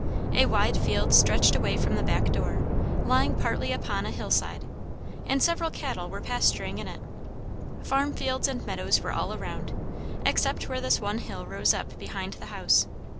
A wide field stretched away from the back door, lying partly upon a hill side; and several cattle were pasturing in it. Farm fields and meadows were all around, except where this one hill rose up behind the house.